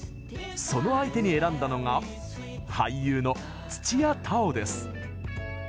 その相手に選んだのが俳優の土屋太鳳です。